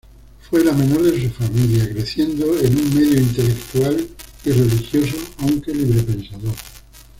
Fue la menor de su familia, creciendo en medio intelectual y religioso, aunque librepensador.